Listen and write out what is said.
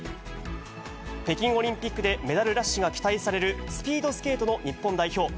北京オリンピックでメダルラッシュが期待される、スピードスケートの日本代表。